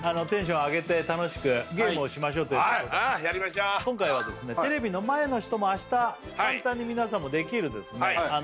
テンション上げて楽しくゲームをしましょうということでああやりましょう今回はですねテレビの前の人も明日簡単に皆さんもできるですね